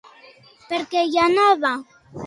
Per què hi anava?